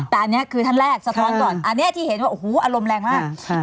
แต่อันนี้คือท่านแรกสะท้อนก่อนอันนี้ที่เห็นว่าโอ้โหอารมณ์แรงมาก